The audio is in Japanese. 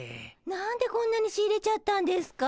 何でこんなに仕入れちゃったんですか？